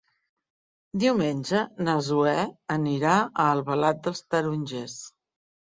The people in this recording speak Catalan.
Diumenge na Zoè anirà a Albalat dels Tarongers.